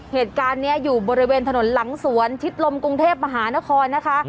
เหตุการณ์นี้อยู่บริเวณถนนหลังสวนชิดลมกรุงเทพมหานครนะคะ